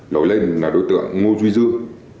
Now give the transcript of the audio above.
lối lên là đối tượng ngô duy dương